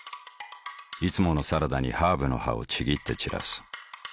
いつものサラダにハーブの葉をちぎって散らす。